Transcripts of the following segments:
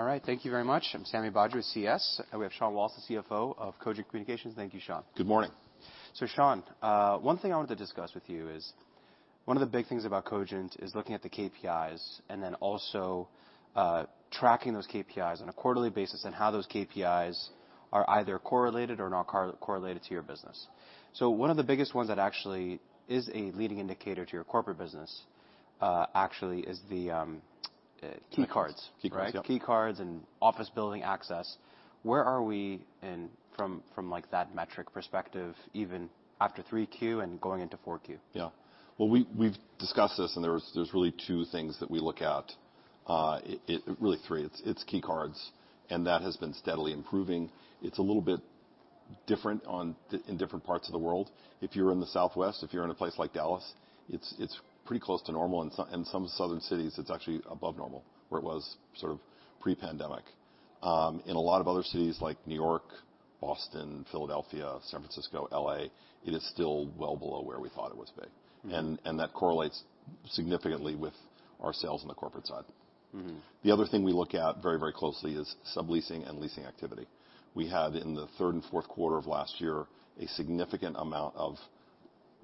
All right, thank you very much. I'm Sami Badri with CS, and we have Sean Wallace, the CFO of Cogent Communications. Thank you, Sean. Good morning. Sean, one thing I wanted to discuss with you is one of the big things about Cogent is looking at the KPIs and then also tracking those KPIs on a quarterly basis and how those KPIs are either correlated or not correlated to your business. One of the biggest ones that actually is a leading indicator to your corporate business actually is the key cards. Key cards. Key cards and office building access. Where are we in from, like, that metric perspective, even after 3Q and going into 4Q? Yeah. Well, we've discussed this, and there's really three things that we look at. It's key cards, and that has been steadily improving. It's a little bit different in different parts of the world. If you're in the Southwest, if you're in a place like Dallas, it's pretty close to normal. In some southern cities, it's actually above normal where it was sort of pre-pandemic. In a lot of other cities like New York, Boston, Philadelphia, San Francisco, L.A., it is still well below where we thought it was big. That correlates significantly with our sales on the corporate side. The other thing we look at very, very closely is subleasing and leasing activity. We had, in the third and fourth quarter of last year, a significant amount of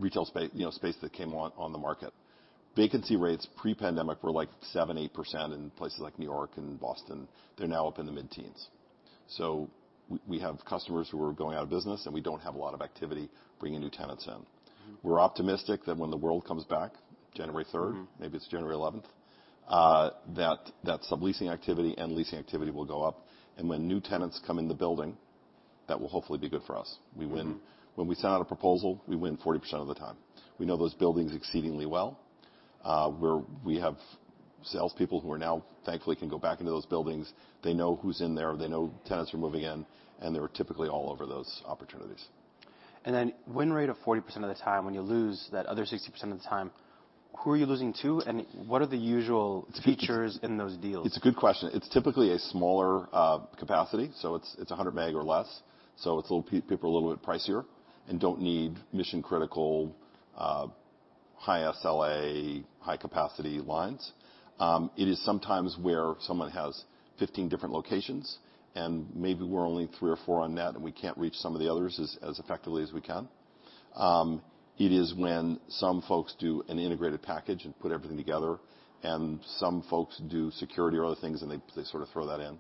retail space, you know, space that came on the market. Vacancy rates pre-pandemic were, like, 7%-8% in places like New York and Boston. They're now up in the mid-teens. We have customers who are going out of business, and we don't have a lot of activity bringing new tenants in. We're optimistic that when the world comes back, January third. Maybe it's January eleventh that subleasing activity and leasing activity will go up. When new tenants come in the building, that will hopefully be good for us. We win. When we send out a proposal, we win 40% of the time. We know those buildings exceedingly well. We have salespeople who are now thankfully can go back into those buildings. They know who's in there. They know tenants are moving in, and they are typically all over those opportunities. win rate of 40% of the time, when you lose that other 60% of the time, who are you losing to, and what are the usual features in those deals? It's a good question. It's typically a smaller capacity, so it's 100 meg or less. So it's a little bit pricier and don't need mission-critical, high SLA, high capacity lines. It is sometimes where someone has 15 different locations, and maybe we're only three or four on-net, and we can't reach some of the others as effectively as we can. It is when some folks do an integrated package and put everything together, and some folks do security or other things, and they sort of throw that in.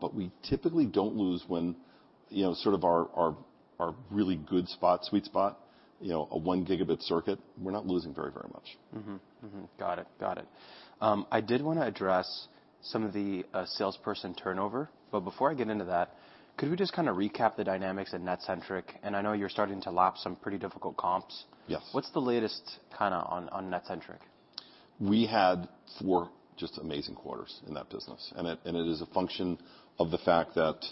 But we typically don't lose when, you know, sort of our really good spot, sweet spot, you know, a one gigabit circuit, we're not losing very, very much. Got it. I did wanna address some of the salesperson turnover. Before I get into that, could we just kind of recap the dynamics at Netcentric? I know you're starting to lap some pretty difficult comps. Yes. What's the latest kinda on Netcentric? We had four just amazing quarters in that business, and it is a function of the fact that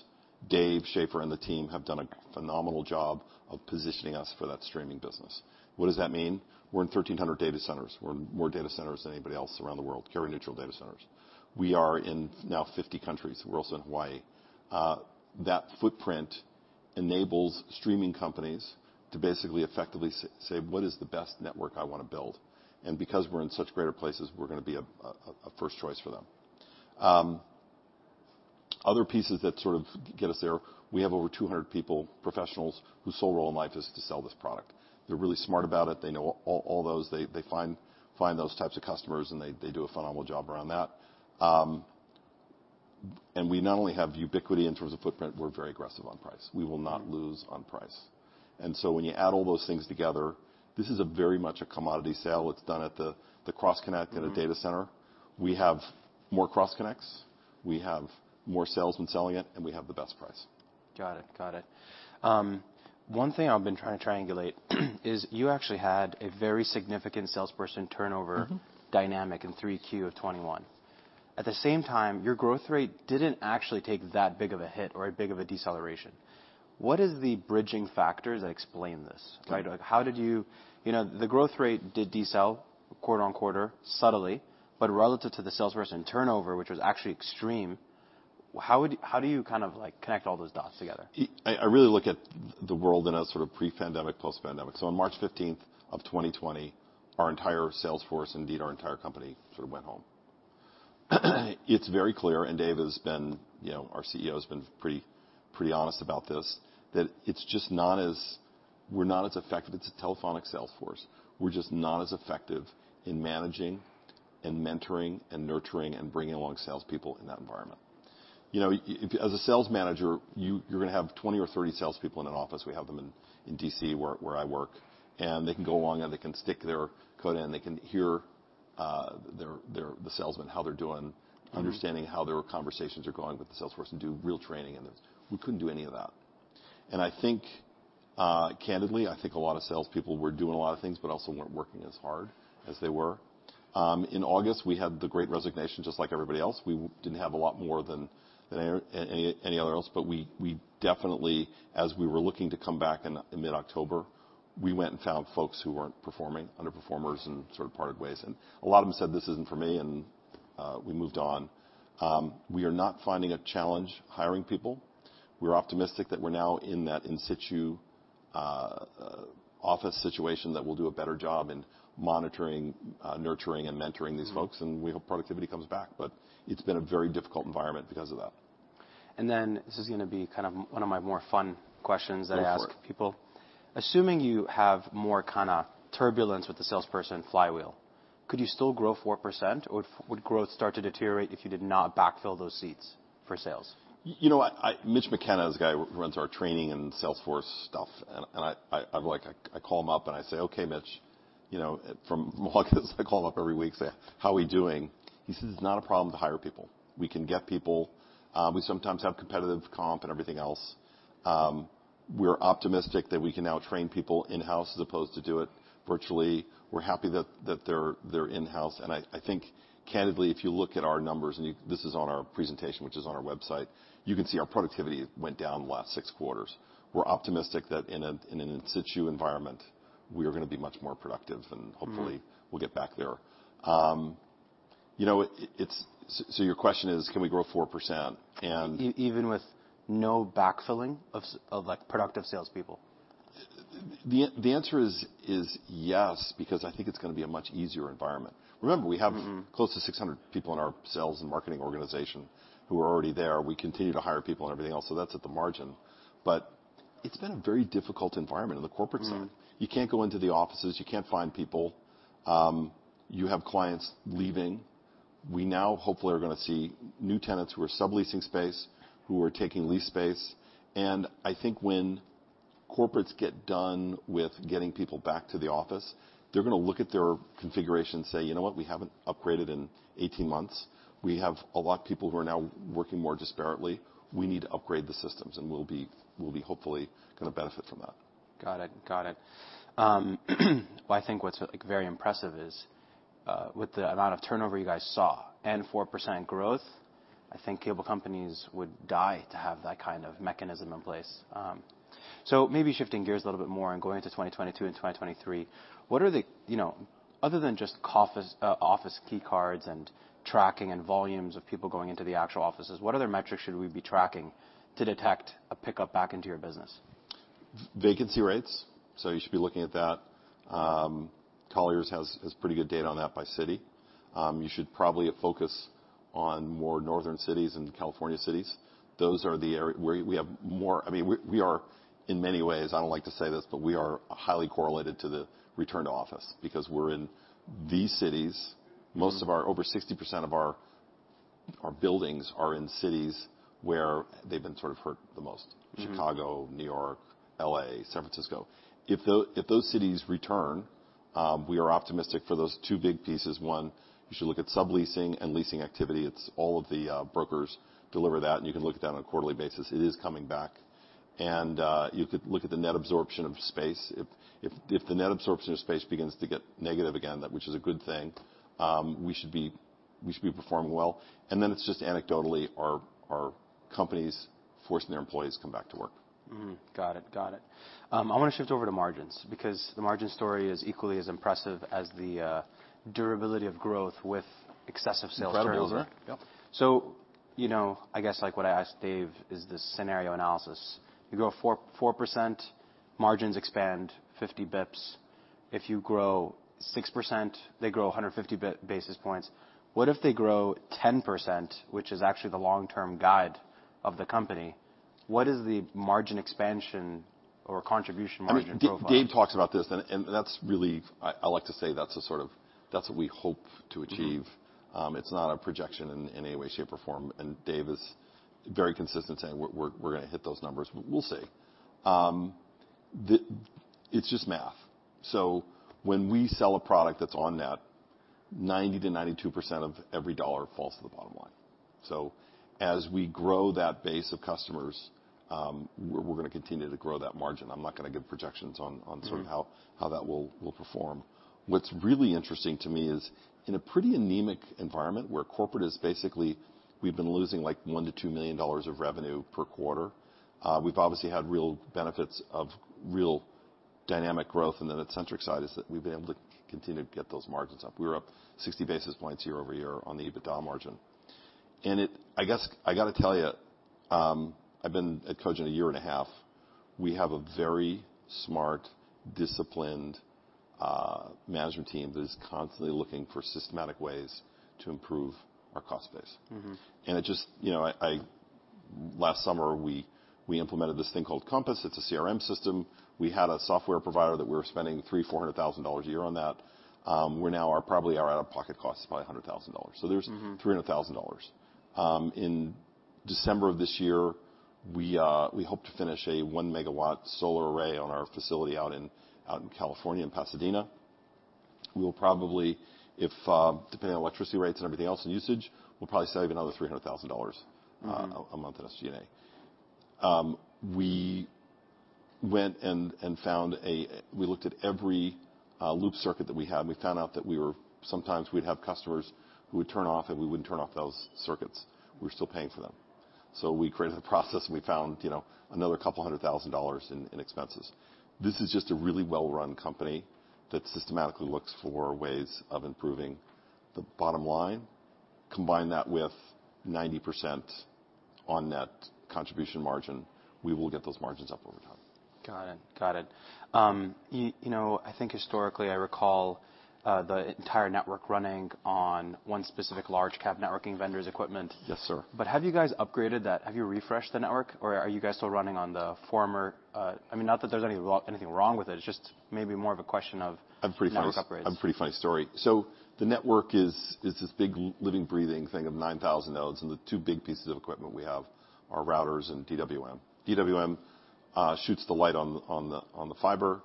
Dave Schaeffer and the team have done a phenomenal job of positioning us for that streaming business. What does that mean? We're in 1,300 data centers. We're in more data centers than anybody else around the world, carrier-neutral data centers. We are in now 50 countries. We're also in Hawaii. That footprint enables streaming companies to basically effectively say, "What is the best network I wanna build?" Because we're in such great places, we're gonna be a first choice for them. Other pieces that sort of get us there, we have over 200 people, professionals, whose sole role in life is to sell this product. They're really smart about it. They know all those. They find those types of customers, and they do a phenomenal job around that. We not only have ubiquity in terms of footprint, we're very aggressive on price. We will not lose on price. When you add all those things together, this is very much a commodity sale. It's done at the cross-connect at a data center. We have more cross-connects. We have more salesmen selling it, and we have the best price. Got it. One thing I've been trying to triangulate is you actually had a very significant salesperson turnover. dynamic in 3Q of 2021. At the same time, your growth rate didn't actually take that big of a hit or a big of a deceleration. What is the bridging factors that explain this, right? Like, you know, the growth rate did decelerate quarter-over-quarter subtly, but relative to the salesperson turnover, which was actually extreme, how do you kind of, like, connect all those dots together? I really look at the world in a sort of pre-pandemic, post-pandemic. On March 15, 2020, our entire sales force, indeed our entire company, sort of went home. It's very clear, and Dave, our CEO, has been pretty honest about this, that it's just not as effective. It's a telephonic sales force. We're just not as effective in managing and mentoring and nurturing and bringing along salespeople in that environment. As a sales manager, you're gonna have 20 or 30 salespeople in an office. We have them in D.C. where I work, and they can go along, and they can stick their head in. They can hear the salesmen how they're doing. Understanding how their conversations are going with the sales force and do real training, and there. We couldn't do any of that. I think, candidly, I think a lot of salespeople were doing a lot of things but also weren't working as hard as they were. In August, we had the Great Resignation, just like everybody else. We didn't have a lot more than anybody else. We definitely, as we were looking to come back in mid-October, went and found folks who weren't performing, underperformers and sort of parted ways, and a lot of them said, "This isn't for me," and we moved on. We are not finding a challenge hiring people. We're optimistic that we're now in that in situ office situation that will do a better job in monitoring, nurturing, and mentoring these folks. We hope productivity comes back, but it's been a very difficult environment because of that. This is gonna be kind of one of my more fun questions that I ask people. Go for it. Assuming you have more kinda turbulence with the salesperson flywheel, could you still grow 4%, or would growth start to deteriorate if you did not backfill those seats for sales? You know, Mitch McKenna is the guy who runs our training and Salesforce stuff. I call him up and I say, "Okay, Mitch," you know. I call him up every week, say, "How we doing?" He says, "It's not a problem to hire people. We can get people. We sometimes have competitive comp and everything else. We're optimistic that we can now train people in-house as opposed to do it virtually. We're happy that they're in-house." I think candidly, if you look at our numbers, this is on our presentation, which is on our website. You can see our productivity went down the last six quarters. We're optimistic that in an in situ environment, we are gonna be much more productive and hopefully we'll get back there. You know, your question is, can we grow 4%? Even with no backfilling of like productive salespeople. The answer is yes, because I think it's gonna be a much easier environment. Remember, we have- Close to 600 people in our sales and marketing organization who are already there. We continue to hire people and everything else, so that's at the margin. It's been a very difficult environment on the corporate side. You can't go into the offices. You can't find people. You have clients leaving. We now hopefully are gonna see new tenants who are subleasing space, who are taking lease space. I think when corporates get done with getting people back to the office, they're gonna look at their configuration and say, "You know what? We haven't upgraded in 18 months. We have a lot of people who are now working more disparately. We need to upgrade the systems." We'll be hopefully gonna benefit from that. Got it. Well, I think what's like very impressive is, with the amount of turnover you guys saw and 4% growth, I think cable companies would die to have that kind of mechanism in place. Maybe shifting gears a little bit more and going into 2022 and 2023, other than just office key cards and tracking and volumes of people going into the actual offices, what other metrics should we be tracking to detect a pickup back into your business? Vacancy rates, so you should be looking at that. Colliers has pretty good data on that by city. You should probably focus on more northern cities and California cities. Those are the area where we have more. I mean, we are in many ways. I don't like to say this, but we are highly correlated to the return to office because we're in these cities. Over 60% of our buildings are in cities where they've been sort of hurt the most. Chicago, New York, L.A., San Francisco. If those cities return, we are optimistic for those two big pieces. You should look at subleasing and leasing activity. It's all of the brokers deliver that, and you can look at that on a quarterly basis. It is coming back. You could look at the net absorption of space. If the net absorption of space begins to get negative again, that, which is a good thing, we should be performing well. Then it's just anecdotally, are companies forcing their employees to come back to work. Got it. I wanna shift over to margins because the margin story is equally as impressive as the durability of growth with excessive sales turnover. Incredible, isn't it? Yep. You know, I guess like what I asked Dave is the scenario analysis. You grow 4%, margins expand 50 basis points. If you grow 6%, they grow 150 basis points. What if they grow 10%, which is actually the long-term guide of the company? What is the margin expansion or contribution margin profile? I mean, Dave talks about this and that's really. I like to say that's a sort of. That's what we hope to achieve. It's not a projection in any way, shape, or form. Dave is very consistent saying we're gonna hit those numbers. We'll see. It's just math. When we sell a product that's on-net, 90%-92% of every dollar falls to the bottom line. As we grow that base of customers, we're gonna continue to grow that margin. I'm not gonna give projections on sort of how that will perform. What's really interesting to me is in a pretty anemic environment where corporate is basically we've been losing like $1 million-$2 million of revenue per quarter, we've obviously had real benefits of real dynamic growth on the Netcentric side is that we've been able to continue to get those margins up. We were up 60 basis points year-over-year on the EBITDA margin. I guess I gotta tell you, I've been at Cogent a year and a half. We have a very smart, disciplined, management team that is constantly looking for systematic ways to improve our cost base. Last summer, we implemented this thing called Compass. It's a CRM system. We had a software provider that we were spending $300,000-$400,000 a year on that. We're now, our out-of-pocket cost is probably $100,000, so there's $300,000. In December of this year, we hope to finish a 1 MW solar array on our facility out in California in Pasadena. We'll probably save another $300,000 a month in SG&A, if depending on electricity rates and everything else and usage. We looked at every loop circuit that we had, and we found out that sometimes we'd have customers who would turn off and we wouldn't turn off those circuits. We were still paying for them. We created a process and we found, you know, another $200,000 in expenses. This is just a really well-run company that systematically looks for ways of improving the bottom line. Combine that with 90% on-net contribution margin, we will get those margins up over time. Got it. You know, I think historically, I recall, the entire network running on one specific large cap networking vendor's equipment. Yes, sir. Have you guys upgraded that? Have you refreshed the network, or are you guys still running on the former? I mean, not that there's anything wrong with it's just maybe more of a question of- I have a pretty funny s- network upgrades. I have a pretty funny story. The network is this big living, breathing thing of 9,000 nodes, and the two big pieces of equipment we have are routers and DWDM. DWDM shoots the light on the fiber.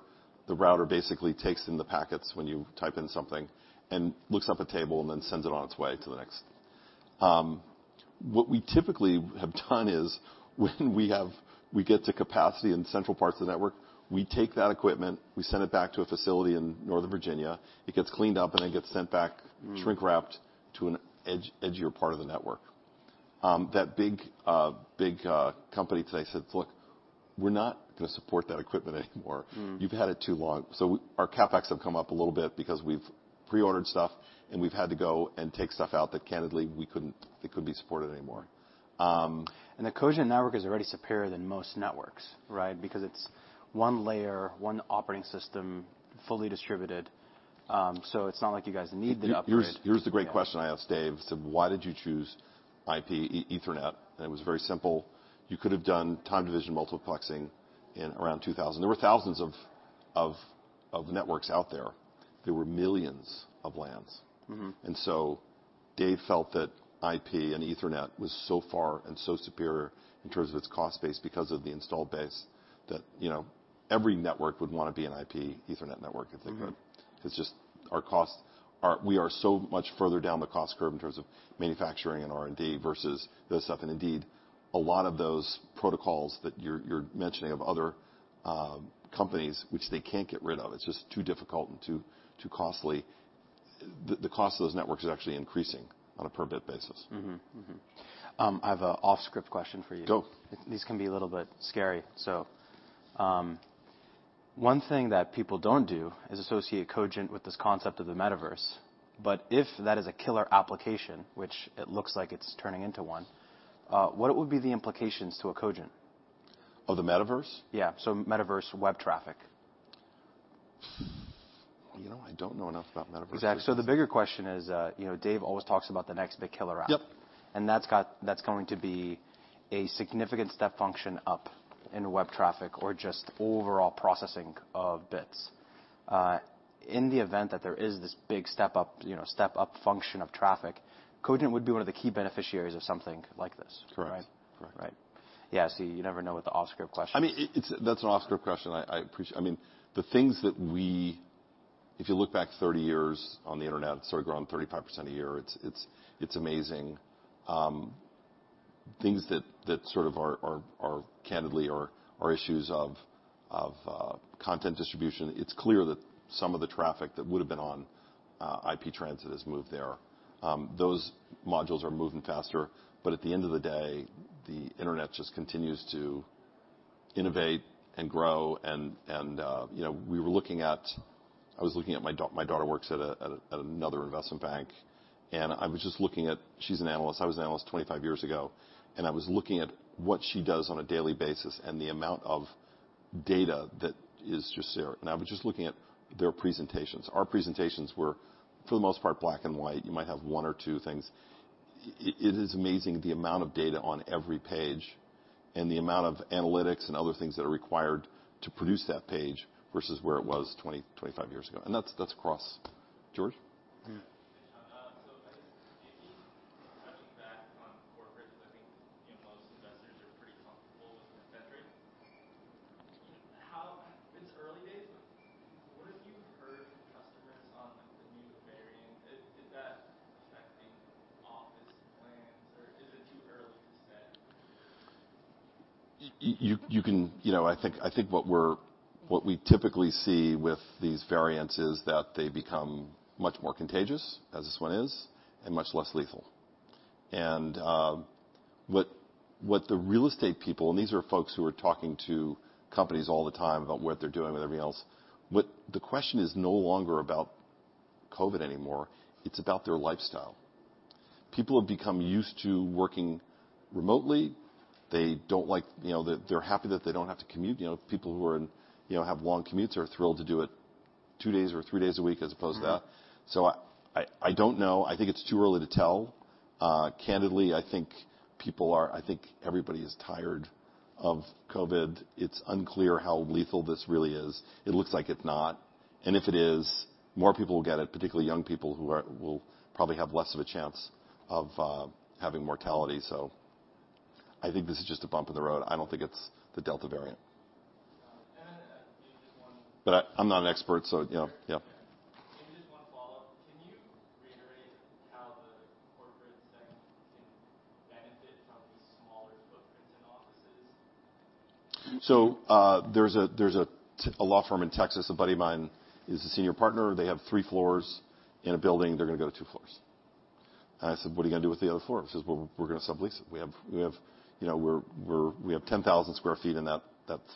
The router basically takes in the packets when you type in something and looks up a table and then sends it on its way to the next. What we typically have done is when we get to capacity in central parts of the network, we take that equipment, we send it back to a facility in Northern Virginia. It gets cleaned up, and it gets sent back Shrink-wrapped to an edgier part of the network. That big company today said, "Look, we're not gonna support that equipment anymore. You've had it too long." Our CapEx have come up a little bit because we've pre-ordered stuff, and we've had to go and take stuff out that candidly it could be supported anymore. The Cogent network is already superior than most networks, right? Because it's one layer, one operating system, fully distributed. It's not like you guys need the upgrade. Here's the great question I asked Dave. Said, "Why did you choose IP Ethernet?" It was very simple. You could have done time-division multiplexing in around 2000. There were thousands of networks out there. There were millions of LANs. Dave felt that IP and Ethernet was so far and so superior in terms of its cost base because of the installed base that, you know, every network would wanna be an IP Ethernet network, if they could. It's just we are so much further down the cost curve in terms of manufacturing and R&D versus this stuff. Indeed, a lot of those protocols that you're mentioning from other companies which they can't get rid of, it's just too difficult and too costly. The cost of those networks is actually increasing on a per bit basis. I have a off-script question for you. Go. These can be a little bit scary. One thing that people don't do is associate Cogent with this concept of the Metaverse. If that is a killer application, which it looks like it's turning into one, what would be the implications to a Cogent? Of the Metaverse? Yeah. Metaverse web traffic. You know, I don't know enough about Metaverse. Exactly. The bigger question is, you know, Dave always talks about the next big killer app. Yep. That's going to be a significant step function up in web traffic or just overall processing of bits. In the event that there is this big step up, you know, step up function of traffic, Cogent would be one of the key beneficiaries of something like this. Correct. Right? Correct. Right. Yeah, see, you never know with the off-script questions. I mean, the things that we. If you look back 30 years on the Internet, it's sort of grown 35% a year. It's amazing. Things that sort of are candidly issues of content distribution, it's clear that some of the traffic that would have been on IP transit has moved there. Those modules are moving faster. But at the end of the day, the Internet just continues to innovate and grow. You know, I was looking at my daughter works at another investment bank, and I was just looking at. She's an analyst. I was an analyst 25 years ago, and I was looking at what she does on a daily basis and the amount of data that is just there. I was just looking at their presentations. Our presentations were, for the most part, black and white. You might have one or two things. It is amazing the amount of data on every page and the amount of analytics and other things that are required to produce that page versus where it was 20, 25 years ago. That's across. George? Hi, Sean. I guess maybe touching back on corporate 'cause I think, you know, most investors are pretty comfortable with the Fed rate. It's early days, but what have you heard from customers on like the new variant? Is that affecting office plans, or is it too early to say? You know, I think what we typically see with these variants is that they become much more contagious, as this one is, and much less lethal. What the real estate people, and these are folks who are talking to companies all the time about what they're doing with everybody else, the question is no longer about COVID anymore, it's about their lifestyle. People have become used to working remotely. They don't like, you know, the. They're happy that they don't have to commute. You know, people who are in, you know, have long commutes are thrilled to do it two days or three days a week as opposed to that. I don't know. I think it's too early to tell. Candidly, I think everybody is tired of COVID. It's unclear how lethal this really is. It looks like it's not. If it is, more people will get it, particularly young people who will probably have less of a chance of having mortality. I think this is just a bump in the road. I don't think it's the Delta variant. Got it. I'm not an expert, so you know. Yeah. Maybe just one follow-up. Can you reiterate how the corporate sector can benefit from these smaller footprints in offices? There's a law firm in Texas. A buddy of mine is a senior partner. They have three floors in a building. They're gonna go to two floors. I said, "What are you gonna do with the other floor?" He says, "Well, we're gonna sublease it. We have, you know, we have 10,000 sq ft in that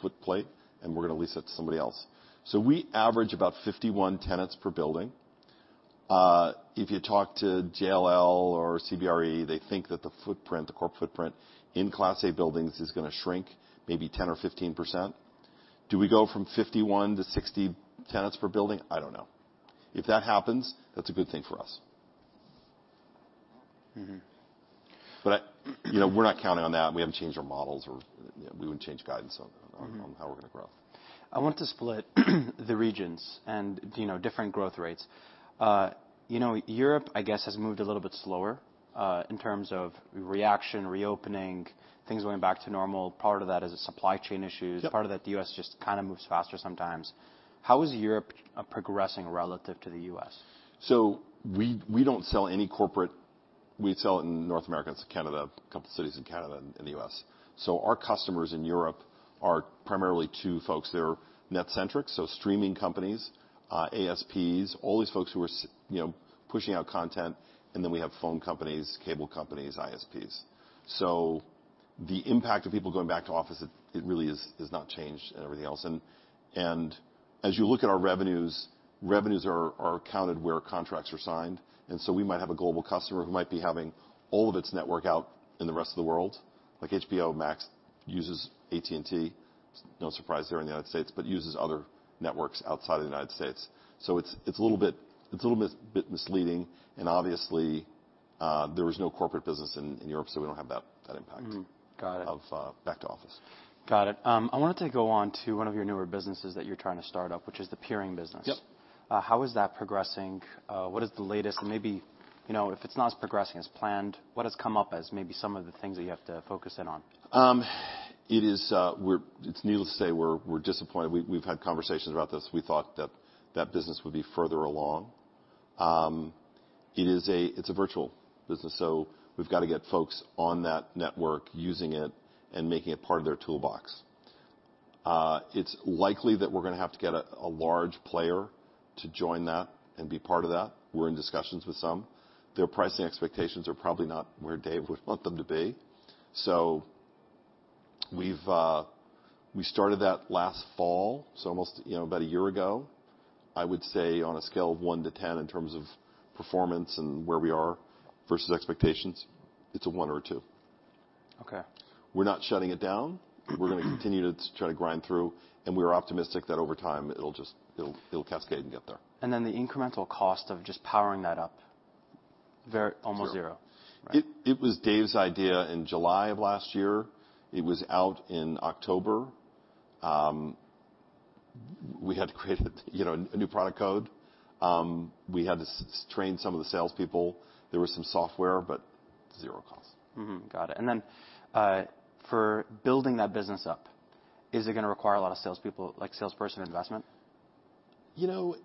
footprint, and we're gonna lease it to somebody else." We average about 51 tenants per building. If you talk to JLL or CBRE, they think that the footprint, the core footprint in Class A buildings is gonna shrink maybe 10% or 15%. Do we go from 51 to 60 tenants per building? I don't know. If that happens, that's a good thing for us. I, you know, we're not counting on that, and we haven't changed our models or, you know, we wouldn't change guidance on how we're gonna grow. I want to split the regions and, you know, different growth rates. You know, Europe, I guess, has moved a little bit slower, in terms of reaction, reopening, things going back to normal. Part of that is the supply chain issues. Yep. Part of that, the U.S. just kind of moves faster sometimes. How is Europe progressing relative to the U.S.? We don't sell any corporate. We sell it in North America, Canada, a couple cities in Canada and the U.S. Our customers in Europe are primarily two folks that are Netcentric, so streaming companies, ASPs, all these folks who are, you know, pushing out content. We have phone companies, cable companies, ISPs. The impact of people going back to office really has not changed and everything else. As you look at our revenues are counted where contracts are signed. We might have a global customer who might be having all of its network out in the rest of the world, like HBO Max uses AT&T, no surprise there in the United States, but uses other networks outside of the United States. It's a little bit misleading. Obviously, there was no corporate business in Europe, so we don't have that impact- Got it. of back to office. Got it. I wanted to go on to one of your newer businesses that you're trying to start up, which is the peering business. Yep. How is that progressing? What is the latest? Maybe, you know, if it's not as progressing as planned, what has come up as maybe some of the things that you have to focus in on? It's needless to say, we're disappointed. We've had conversations about this. We thought that that business would be further along. It is a virtual business, so we've got to get folks on that network using it and making it part of their toolbox. It's likely that we're gonna have to get a large player to join that and be part of that. We're in discussions with some. Their pricing expectations are probably not where Dave would want them to be. So we've started that last fall, so almost, you know, about a year ago. I would say on a scale of one to ten in terms of performance and where we are versus expectations, it's a one or a two. Okay. We're not shutting it down. We're gonna continue to try to grind through, and we're optimistic that over time, it'll just cascade and get there. The incremental cost of just powering that up, very almost zero. Zero. Right. It was Dave's idea in July of last year. It was out in October. We had to create, you know, a new product code. We had to train some of the salespeople. There was some software, but zero cost. Got it. For building that business up, is it gonna require a lot of salespeople, like salesperson investment? You know,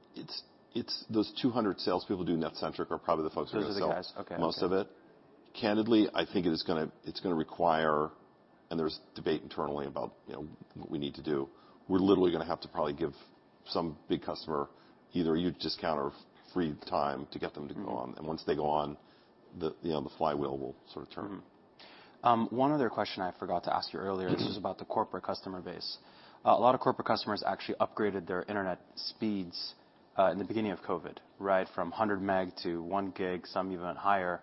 it's those 200 salespeople doing Netcentric are probably the folks who are gonna sell- Those are the guys. Okay. most of it. Candidly, I think it's gonna require, and there's debate internally about, you know, what we need to do. We're literally gonna have to probably give some big customer either a huge discount or free time to get them to go on. Once they go on, you know, the flywheel will sort of turn. One other question I forgot to ask you earlier—this was about the corporate customer base. A lot of corporate customers actually upgraded their internet speeds in the beginning of COVID, right? From 100 Mb to 1 Gb, some even higher.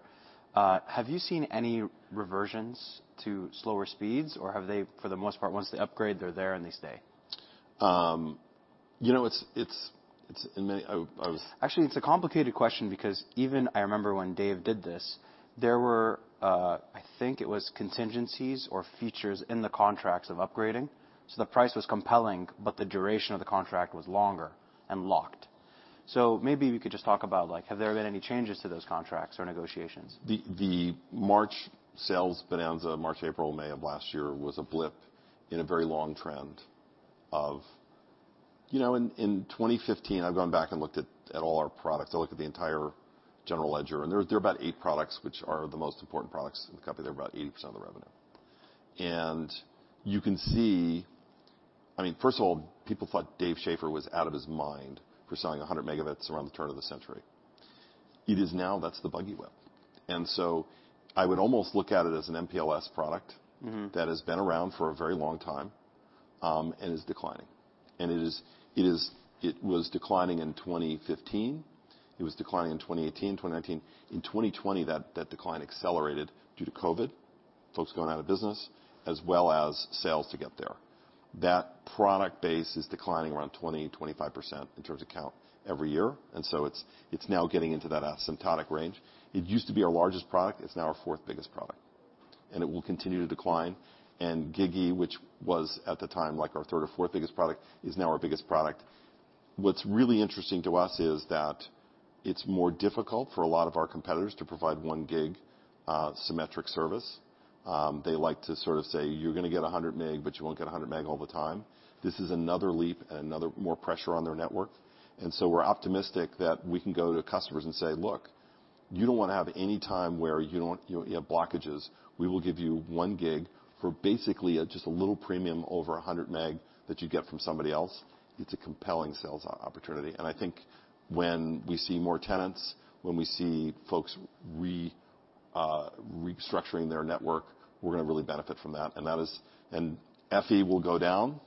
Have you seen any reversions to slower speeds, or have they, for the most part, once they upgrade, they're there and they stay? You know, it's in many. I was- Actually, it's a complicated question because even I remember when Dave did this, there were, I think it was contingencies or features in the contracts of upgrading, so the price was compelling, but the duration of the contract was longer and locked. Maybe we could just talk about, like, have there been any changes to those contracts or negotiations? The March sales bonanza, March, April, May of last year was a blip in a very long trend of. You know, in 2015, I've gone back and looked at all our products. I looked at the entire general ledger, and there are about eight products which are the most important products in the company. They're about 80% of the revenue. You can see. I mean, first of all, people thought Dave Schaeffer was out of his mind for selling 100 Mb around the turn of the century. It is now that's the buggy whip. I would almost look at it as an MPLS product. That has been around for a very long time and is declining. It was declining in 2015. It was declining in 2018, 2019. In 2020, that decline accelerated due to COVID, folks going out of business, as well as sales to get there. That product base is declining around 20%-25% in terms of count every year. It's now getting into that asymptotic range. It used to be our largest product. It's now our fourth biggest product, and it will continue to decline. GigE, which was at the time, like our third or fourth biggest product, is now our biggest product. What's really interesting to us is that it's more difficult for a lot of our competitors to provide 1 Gb symmetric service. They like to sort of say, "You're gonna get 100 Mb, but you won't get 100 Mb all the time." This is another leap and another more pressure on their network. We're optimistic that we can go to customers and say, "Look, you don't wanna have any time where you don't have blockages. We will give you 1 Gb for basically just a little premium over 100 Mb that you get from somebody else." It's a compelling sales opportunity. I think when we see more tenants, when we see folks restructuring their network, we're gonna really benefit from that. FE will go down,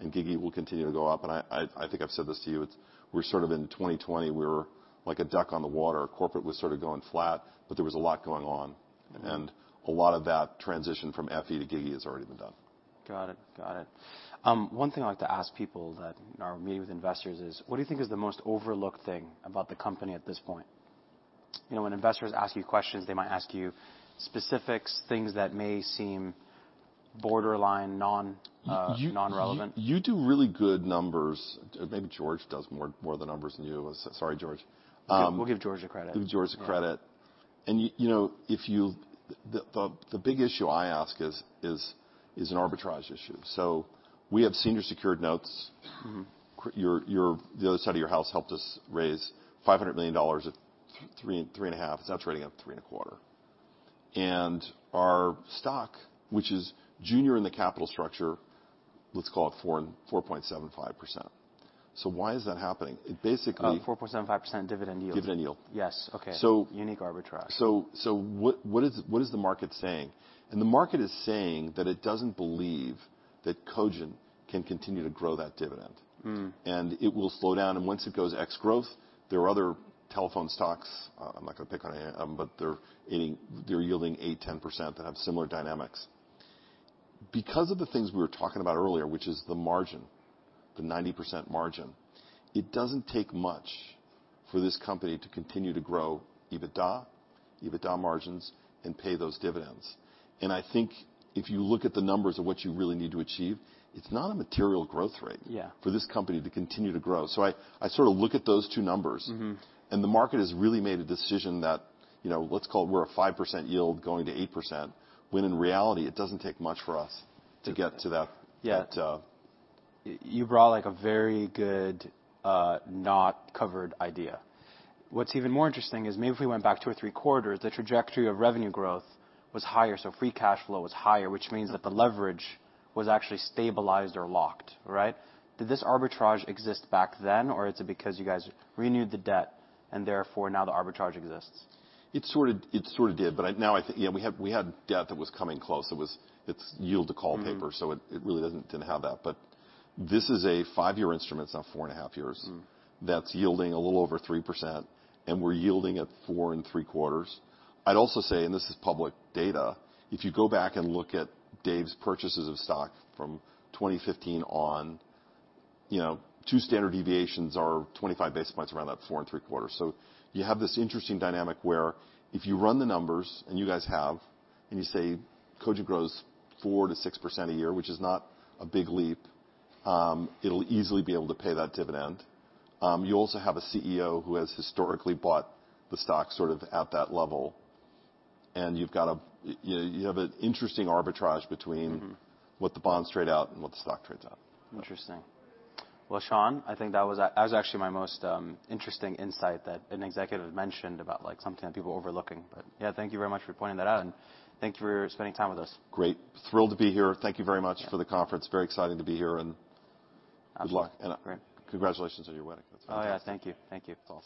and GigE will continue to go up. I think I've said this to you. We're sort of in 2020, we were like a duck on the water. Corporate was sort of going flat, but there was a lot going on, and a lot of that transitioned from FE to GigE has already been done. Got it. One thing I like to ask people that are meeting with investors is: what do you think is the most overlooked thing about the company at this point? You know, when investors ask you questions, they might ask you specifics, things that may seem borderline non-relevant. You do really good numbers. Maybe George does more the numbers than you. Sorry, George. We'll give George a credit. Give George a credit. You know, the big issue I ask is an arbitrage issue. We have senior secured notes. The other side of your house helped us raise $500 million at 3-3.5%. It's now trading at 3.25%. Our stock, which is junior in the capital structure, let's call it 4%-4.75%. Why is that happening? It basically. 4.75% dividend yield. Dividend yield. Yes. Okay. So- Unique arbitrage What is the market saying? The market is saying that it doesn't believe that Cogent can continue to grow that dividend. It will slow down. Once it goes ex growth, there are other telephone stocks, I'm not gonna pick on any of them, but they're yielding 8%-10% that have similar dynamics. Because of the things we were talking about earlier, which is the margin, the 90% margin, it doesn't take much for this company to continue to grow EBITDA margins, and pay those dividends. I think if you look at the numbers of what you really need to achieve, it's not a material growth rate- Yeah ...for this company to continue to grow. I sort of look at those two numbers. The market has really made a decision that, you know, let's call it we're a 5% yield going to 8%, when in reality, it doesn't take much for us to get to that. Yeah. That, uh- You brought like a very good, not covered idea. What's even more interesting is maybe if we went back two or three quarters, the trajectory of revenue growth was higher, so free cash flow was higher, which means that the leverage was actually stabilized or locked, right? Did this arbitrage exist back then or is it because you guys renewed the debt and therefore now the arbitrage exists? It sort of did, but now I think yeah, we had debt that was coming close. It was its yield to call paper- Mm-hmm It really didn't have that. This is a five-year instrument, it's now 4.5 years- Mm ...that's yielding a little over 3%, and we're yielding at 4.75%. I'd also say, and this is public data, if you go back and look at Dave's purchases of stock from 2015 on, you know, two standard deviations are 25 basis points around that 4.75%. So you have this interesting dynamic where if you run the numbers, and you guys have, and you say Cogent grows 4%-6% a year, which is not a big leap, it'll easily be able to pay that dividend. You also have a CEO who has historically bought the stock sort of at that level. You have an interesting arbitrage between- What the bonds trade at and what the stock trades at. Interesting. Well, Sean, I think that was actually my most interesting insight that an executive mentioned about like something people overlooking. Yeah, thank you very much for pointing that out, and thank you for spending time with us. Great. Thrilled to be here. Thank you very much for the conference. Very exciting to be here. Absolutely Good luck. Congratulations on your wedding. That's fantastic. Oh, yeah. Thank you. Thank you. It's awesome.